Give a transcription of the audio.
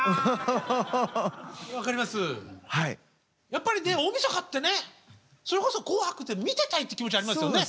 やっぱりね大みそかってねそれこそ「紅白」って見てたいって気持ちありますよね？